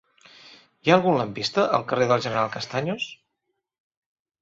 Hi ha algun lampista al carrer del General Castaños?